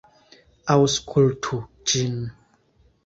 Aŭskultu ĝin.